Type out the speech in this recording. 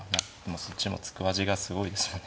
そっちも突く味がすごいですよね。